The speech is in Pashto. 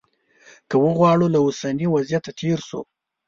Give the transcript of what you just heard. که وغواړو له اوسني وضعیته تېر شو.